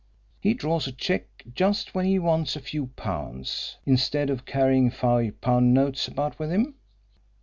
He draws a cheque just when he wants a few pounds, instead of carrying five pound notes about with him.